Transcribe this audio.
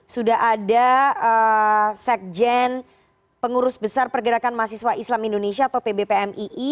sudah ada sekjen pengurus besar pergerakan mahasiswa islam indonesia atau pbpmii